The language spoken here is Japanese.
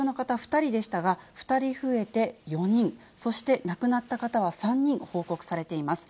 ２人でしたが、２人増えて４人、そして亡くなった方は３人、報告されています。